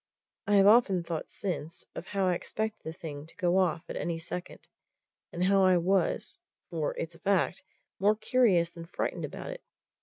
I have often thought since of how I expected the thing to go off at any second, and how I was for it's a fact more curious than frightened about it.